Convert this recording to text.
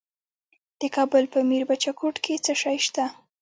د کابل په میربچه کوټ کې څه شی شته؟